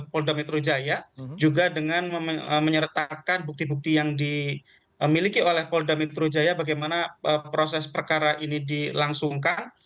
polda metro jaya juga dengan menyertakan bukti bukti yang dimiliki oleh polda metro jaya bagaimana proses perkara ini dilangsungkan